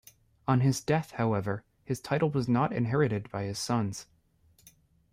On his death, however, his title was not inherited by his sons.